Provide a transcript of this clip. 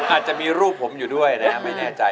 อาจจะมีรูปผมอยู่ด้วยนะครับไม่แน่ใจ